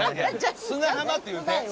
砂浜って言うて！